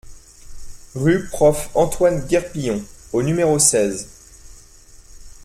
Rue Prof. Antoine Guerpillon au numéro seize